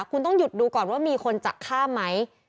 คุณต้องหยุดดูก่อนว่ามีคนจะฆ่าไหม